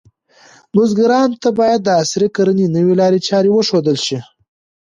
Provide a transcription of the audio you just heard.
بزګرانو ته باید د عصري کرنې نوې لارې چارې وښودل شي.